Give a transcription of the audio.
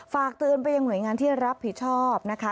ฝากเตือนไปยังหน่วยงานที่รับผิดชอบนะคะ